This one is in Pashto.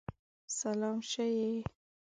سلام شه یی!